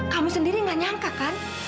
kamu sendiri gak nyangka kan